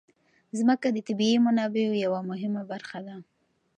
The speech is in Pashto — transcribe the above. ځمکه د طبیعي منابعو یوه مهمه برخه ده.